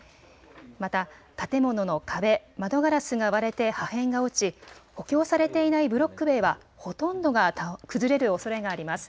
また建物の壁、窓ガラスが割れて破片が落ち、補強されていないブロック塀はほとんどが崩れるおそれがあります。